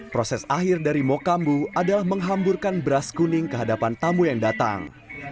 proses akhir dari mokambu adalah menghamburkan beras kuning ke hadapan tamu yang datang